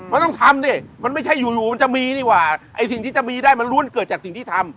มันต้องทำดิมันไม่ใช่อยู่มันจะมีนี่ว่าไอ้สิ่งที่จะมีได้มันล้วนเกิดจากสิ่งที่ทำ